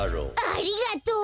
ありがとう！